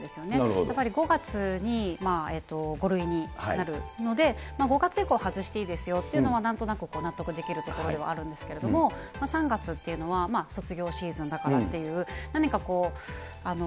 やはり５月に５類になるので、５月以降、外していいですよというのはなんとなく納得できるところではあるんですけど、３月っていうのは、卒業シーズンだからっていう、何かこう。